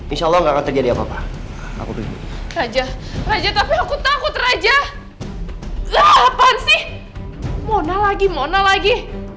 insyaallah nggak terjadi apa apa aku pergi raja raja tapi aku takut raja apaan sih mona lagi mona lagi